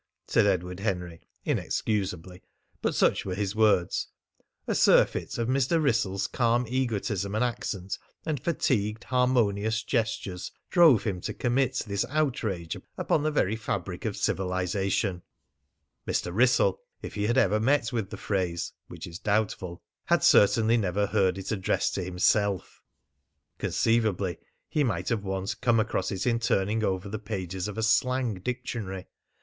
said Edward Henry inexcusably but such were his words. A surfeit of Mr. Wrissell's calm egotism and accent and fatigued harmonious gestures drove him to commit this outrage upon the very fabric of civilisation. Mr. Wrissell, if he had ever met with the phrase, which is doubtful, had certainly never heard it addressed to himself; conceivably he might have once come across it in turning over the pages of a slang dictionary.